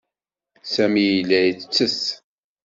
Sami yella yettess.